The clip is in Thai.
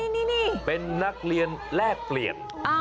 นี่เป็นนักเรียนแลกเปลี่ยน